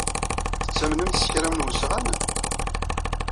Tettamnemt s kra n usɣan?